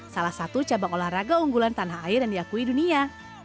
salah satu cabang olahraga unggulan tanah air yang diakui dunia